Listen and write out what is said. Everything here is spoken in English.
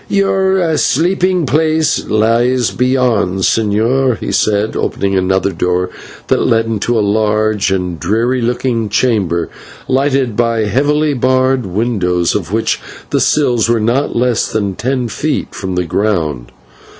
"Your sleeping place lies beyond, señor," he said, opening another door that led into a large and dreary looking chamber, lighted by heavily barred windows, of which the sills were not less than ten feet from the ground.